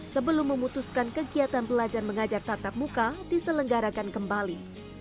sebelum memutuskan kegiatan belajar mengajar tatap muka diselenggarakan kembali